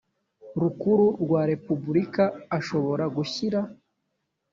rukuru rwa repubulika ashobora gushyira